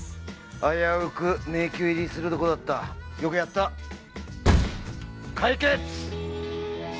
危うく迷宮入りするとこだったよくやった解決所